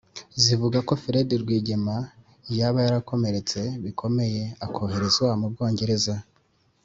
zivuga ko fred rwigema yaba yarakomeretse bikomeye akoherezwa mu bwongereza.